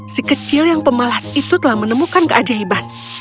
si kecil yang pemalas itu telah menemukan keajaiban